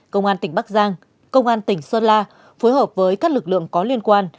công an tỉnh bắc giang công an tỉnh sơn la phối hợp với các lực lượng có liên quan